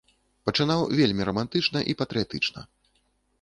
Пачынаў вельмі рамантычна і патрыятычна.